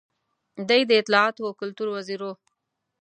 دی د اطلاعاتو او کلتور وزیر و.